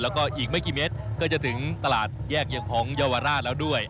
แล้วก็อีกไม่กี่เมตรก็จะถึงตลาดแยกเอียงพองเยาวราชแล้วด้วย